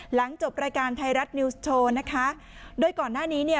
หลังจบรายการไทยรัฐนิวส์โชว์นะคะโดยก่อนหน้านี้เนี่ย